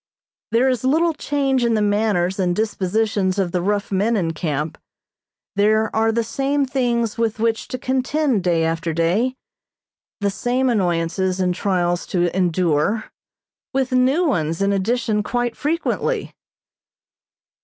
There is little change in the manners and dispositions of the rough men in camp. There are the same things with which to contend day after day, the same annoyances and trials to endure, with new ones in addition quite frequently.